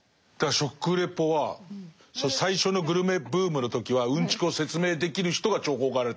食レポは最初のグルメブームの時はうんちくを説明できる人が重宝がられたんです。